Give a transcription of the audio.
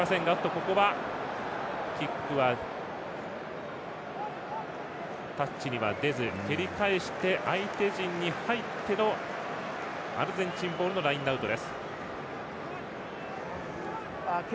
ここは、キックはタッチには出ず蹴り返して相手陣に入ってのアルゼンチンボールのラインアウト。